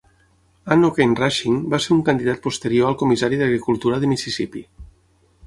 Ann O'Cain Rushing va ser un candidat posterior al comissari d'agricultura de Mississippi.